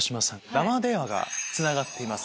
生電話がつながっています。